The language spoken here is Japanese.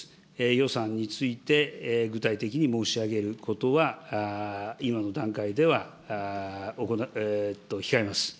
予算について、具体的に申し上げることは、今の段階では控えます。